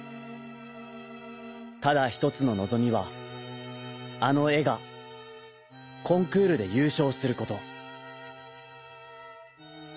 ただひとつののぞみはあのえがコンクールでゆうしょうすること。